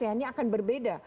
menangannya akan berbeda